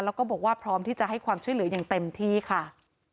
แล้วก็บอกว่าพร้อมที่จะให้ความช่วยเหลืออย่างเต็มที่ค่ะ